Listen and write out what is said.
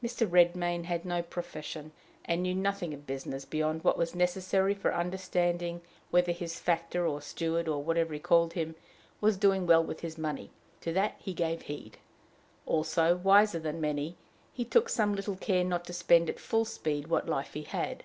Mr. Redmain had no profession, and knew nothing of business beyond what was necessary for understanding whether his factor or steward, or whatever he called him, was doing well with his money to that he gave heed. Also, wiser than many, he took some little care not to spend at full speed what life he had.